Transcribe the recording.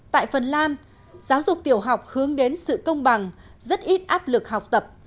tại phần lan giáo dục tiểu học hướng đến sự công bằng rất ít áp lực học tập